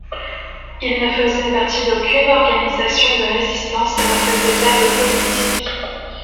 Il ne faisait partie d'aucune organisation de résistance et ne faisait pas de politique.